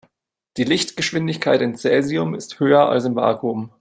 Die Lichtgeschwindigkeit in Cäsium ist höher als im Vakuum.